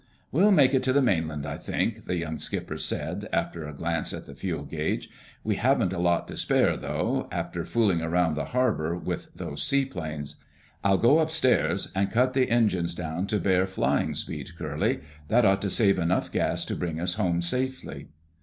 "We'll make it to the mainland, I think," the young skipper said, after a glance at the fuel gauge. "We haven't a lot to spare, though, after fooling around the harbor with those seaplanes. I'll go upstairs and cut the engines down to bare flying speed, Curly. That ought to save enough gas to bring us home safely."